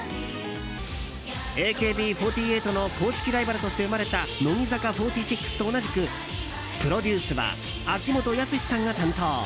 ＡＫＢ４８の公式ライバルとして生まれた乃木坂４６と同じくプロデュースは秋元康さんが担当。